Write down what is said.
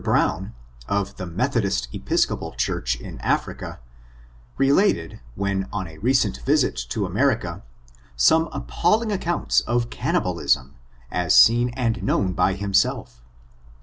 Brown, of the Methodist Episcopal Church in Africa, related, when on a recent visit to America, some appalling accounts of cannibalism, as seen and known by himself.